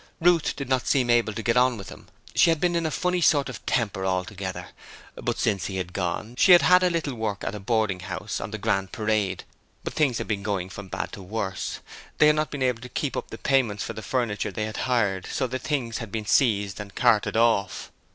Ruth did not seem able to get on with him; she had been in a funny sort of temper altogether, but since he had gone she had had a little work at a boarding house on the Grand Parade. But things had been going from bad to worse. They had not been able to keep up the payments for the furniture they had hired, so the things had been seized and carted off.